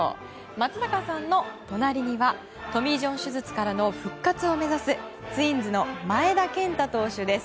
松坂さんの隣にはトミー・ジョン手術からの復活を目指すツインズの前田健太投手です。